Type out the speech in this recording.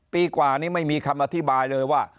ปีกว่านี้ไม่มีคำอธิบายเลยว่า